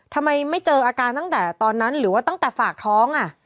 ทำไมไม่เจออาการตั้งแต่ตอนนั้นหรือว่าตั้งแต่ฝากท้อง